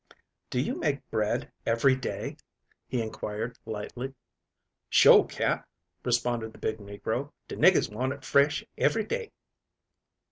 "Do you make bread every day?" he inquired lightly. "Sho', Cap," responded the big negro. "De niggers want hit fresh every day."